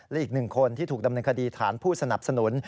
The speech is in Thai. และอีกหนึ่งคนที่ถูกดำเนินคดีฐานผู้สนับสนุน